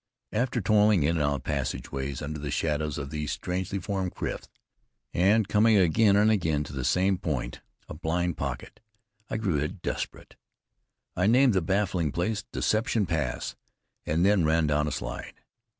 After toiling in and out of passageways under the shadows of these strangely formed cliffs, and coming again and again to the same point, a blind pocket, I grew desperate. I named the baffling place Deception Pass, and then ran down a slide.